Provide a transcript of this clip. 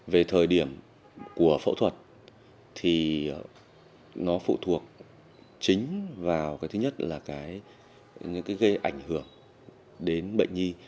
về thời điểm của phẫu thuật thì nó phụ thuộc chính vào cái thứ nhất là gây ảnh hưởng đến bệnh nhi